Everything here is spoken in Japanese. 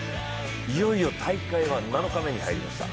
いよいよ大会は７日目に入りました